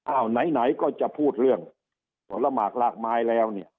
อ้าวไหนก็จะพูดเรื่องบรรละหมากรากไม้แล้ว